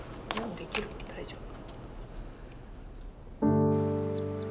できる大丈夫。